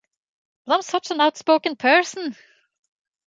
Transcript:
But I’m such an outspoken person.